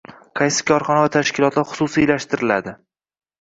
Qaysi korxona va tashkilotlar xususiylashtiriladi